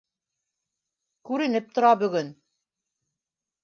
Күренеп тора бөгөн